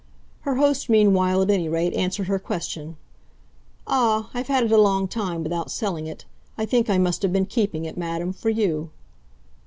Her host meanwhile, at any rate, answered her question. "Ah, I've had it a long time without selling it. I think I must have been keeping it, madam, for you."